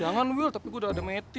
jangan will tapi gue udah ada mati